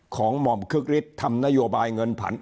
หม่อมคึกฤทธิ์ทำนโยบายเงินผัน